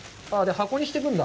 箱にしていくんだ。